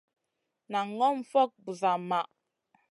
Nan ŋòm fokŋ busa maʼh.